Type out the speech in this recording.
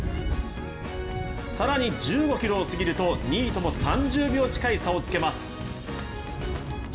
更に１５ｋｍを過ぎると２位とも３０秒近い差をつけます。